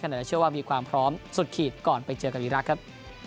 ไหนเชื่อว่ามีความพร้อมสุดขีดก่อนไปเจอกับอีรักษ์ครับ